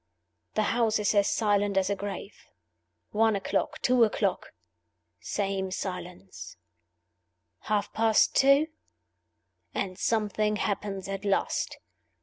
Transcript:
The house is as silent as the grave. One o'clock; two o'clock same silence. Half past two and something happens at last.